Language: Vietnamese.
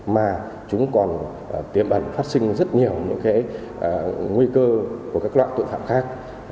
mà chúng còn tiêm ẩn phát sinh rất nhiều những nguy cơ của các loại tội phạm khác